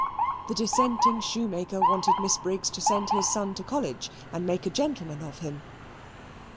The dissenting shoemaker wanted Miss Briggs to send his son to college and make a gentleman of him.